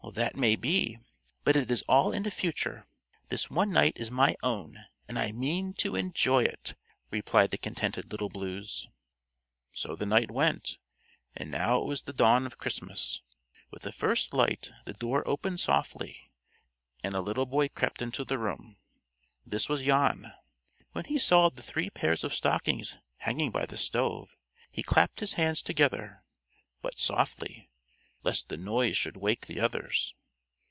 "That may be, but it is all in the future. This one night is my own, and I mean to enjoy it," replied the contented Little Blues. So the night went, and now it was the dawn of Christmas. With the first light the door opened softly and a little boy crept into the room. This was Jan. When he saw the three pairs of stockings hanging by the stove, he clapped his hands together, but softly, lest the noise should wake the others.